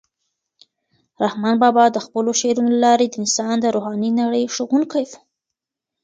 رحمان بابا د خپلو شعرونو له لارې د انسان د روحاني نړۍ ښوونکی و.